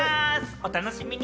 お楽しみに！